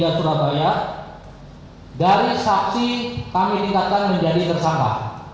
kami menetapkan status saksi dari saksi kami tingkatkan menjadi tersangka